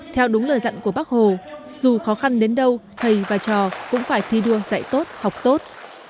theo đúng lời dặn của bác hồ dù khó khăn đến đâu thầy và trò cũng phải thi đua dạy tốt học tốt